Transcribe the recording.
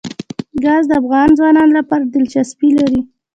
ګاز د افغان ځوانانو لپاره دلچسپي لري.